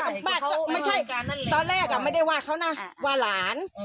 ก็ไม่ใช่ตอนแรกอ่ะไม่ได้ว่าเขานะว่าหลาน